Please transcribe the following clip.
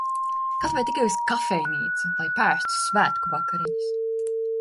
Kaut vai tikai uz kafejnīcu, lai paēstu svētku vakariņas.